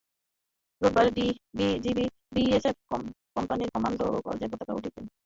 রোববার BGB BSF company commander পর্যায়ের পতাকা বৈঠকে বিষয়টি নিয়ে আলোচনা হবে।